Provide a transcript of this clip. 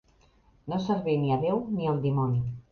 No servir ni a Déu ni al dimoni.